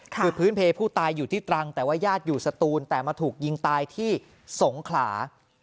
คือพื้นเพผู้ตายอยู่ที่ตรังแต่ว่าญาติอยู่สตูนแต่มาถูกยิงตายที่สงขลา